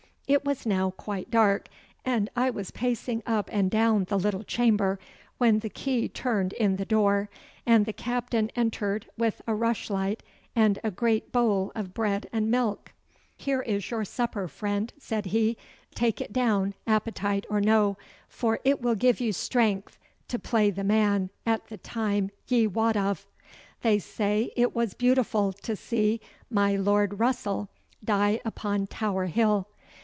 It was now quite dark, and I was pacing up and down the little chamber, when the key turned in the door, and the Captain entered with a rushlight and a great bowl of bread and milk. 'Here is your supper, friend,' said he. 'Take it down, appetite or no, for it will give you strength to play the man at the time ye wot of. They say it was beautiful to see my Lord Russell die upon Tower Hill.